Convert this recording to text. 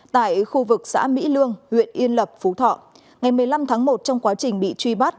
tại khu vực xã mỹ lương huyện yên lập phú thọ ngày một mươi năm tháng một trong quá trình bị truy bắt